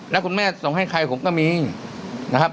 แล้วคุณแม่ส่งให้ใครผมก็มีนะครับ